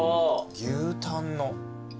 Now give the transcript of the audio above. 牛タンの。